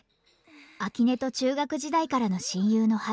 秋音と中学時代からの親友のハル。